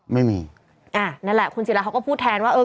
ไม่มีอ่านั่นแหละคุณศิราเขาก็พูดแทนว่าเออ